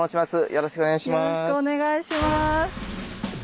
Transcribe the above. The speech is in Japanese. よろしくお願いします。